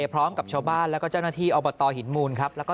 พร้อมกับชาวบ้านแล้วก็เจ้าหน้าที่อบตหินมูลครับแล้วก็